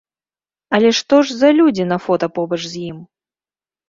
Але што ж за людзі на фота побач з ім?